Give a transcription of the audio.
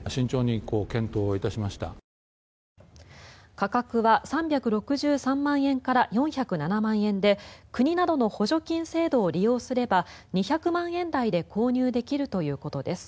価格は３６３万円から４０７万円で国などの補助金制度を利用すれば２００万円台で購入できるということです。